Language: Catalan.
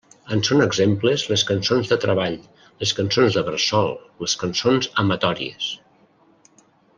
En són exemples les cançons de treball, les cançons de bressol, les cançons amatòries.